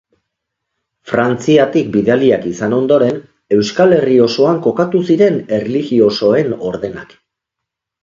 Frantziatik bidaliak izan ondoan, Euskal Herri osoan kokatu ziren erlijiosoen ordenak.